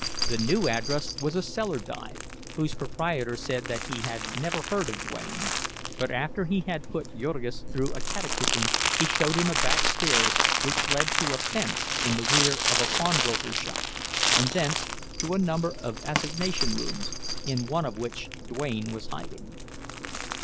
The new address was a cellar dive, whose proprietor said that he had never heard of Duane; but after he had put Jurgis through a catechism he showed him a back stairs which led to a "fence" in the rear of a pawnbroker's shop, and thence to a number of assignation rooms, in one of which Duane was hiding.